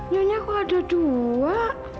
nyonya kok ada dua